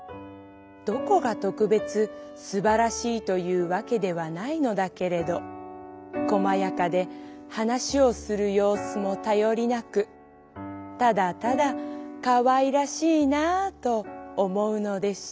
どこがとくべつすばらしいというわけではないのだけれど細やかで話をする様子もたよりなくただただかわいらしいなあと思うのでした」。